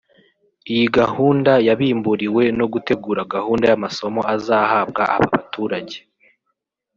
Iyi gahunda yabimburiwe no gutegura gahunda y’amasomo azahabwa aba baturage